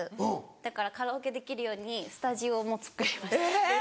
だからカラオケできるようにスタジオも作りました。